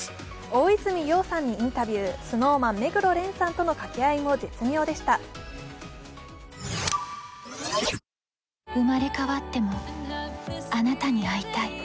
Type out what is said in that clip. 大泉洋さんにインタビュー、ＳｎｏｗＭａｎ・目黒蓮さんとの掛け合いも絶妙でした。